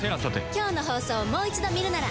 今日の放送をもう一度見るなら。